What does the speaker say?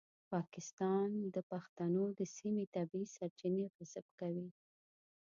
پاکستان د پښتنو د سیمې طبیعي سرچینې غصب کوي.